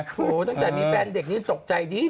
โอ้โฮตั้งแต่มีแฟนเด็กนี่ตกใจดีนะ